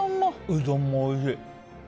うどんもおいしい。